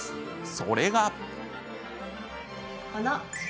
それが。